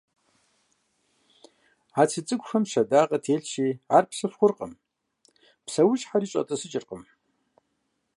А цы цӀыкӀухэм щэдагъэ телъщи, ар псыф хъуркъым, псэущхьэри щӀэтӀысыкӀыркъым.